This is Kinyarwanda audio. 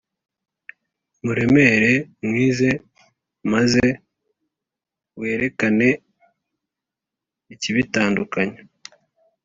muremure mwize maze werekane ikibitandukanya,